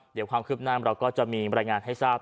เดี๋ยวความคืบหน้าเราก็จะมีบรรยายงานให้ทราบ